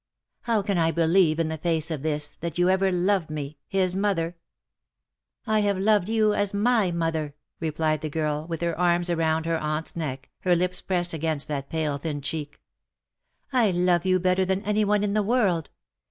How can I believe, in the face of this, that you ever loved me, his mother ?"" I have loved you as my mother,''^ replied the girl, with her arms round her aunt^s neck, her lips pressed against that pale thin cheek. " I love you better than any one in this world.